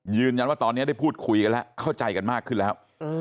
ยืนยันว่าตอนนี้ได้พูดคุยกันแล้วเข้าใจกันมากขึ้นแล้ว